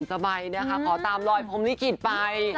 ที่สใบนะคะขอตามรอยพรหมลิขิตไป